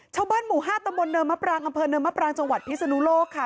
ชาวบ้านหมู่๕ตำบลเนินมะปรางอำเภอเนินมะปรางจังหวัดพิศนุโลกค่ะ